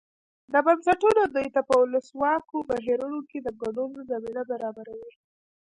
دا بنسټونه دوی ته په ولسواکو بهیرونو کې د ګډون زمینه برابروي.